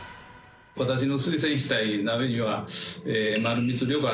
私の推薦したい鍋は。